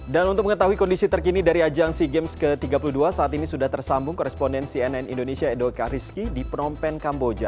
dan untuk mengetahui kondisi terkini dari ajang sea games ke tiga puluh dua saat ini sudah tersambung korespondensi nn indonesia edo kariski di prompen kamboja